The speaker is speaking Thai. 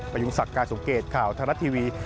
ไปยุ่งสักการณ์สงเกตข่าวธนรัฐทีวี